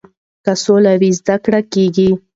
که سوله وي زده کړه کیږي.